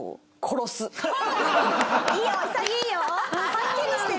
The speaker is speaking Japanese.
はっきりしてる。